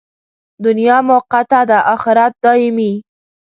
دنیا موقته ده، اخرت دایمي.